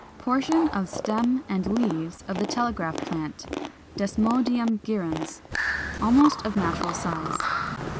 Portion of stem and leaves of Telegraph plant (Desmodium gyrans), almost of natural size.